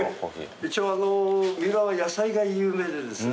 一応三浦は野菜が有名でですね